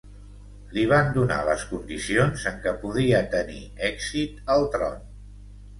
Li van donar les condicions en què podia tenir èxit al tron.